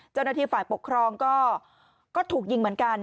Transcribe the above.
เจ้าหน้าที่ฝ่ายปกครองก็ถูกยิงเหมือนกัน